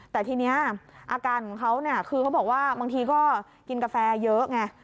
แต่ทีนี้อาการของเขาเนี่ยคือเขาบอกว่าบางทีก็กินกาแฟเยอะไง